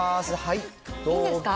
いいんですか？